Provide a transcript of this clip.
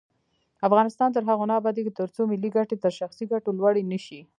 افغانستان تر هغو نه ابادیږي، ترڅو ملي ګټې تر شخصي ګټو لوړې نشي.